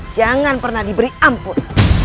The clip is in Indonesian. jangan pernah diberi ampun